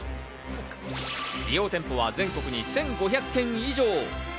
利用店舗は全国に１５００軒以上。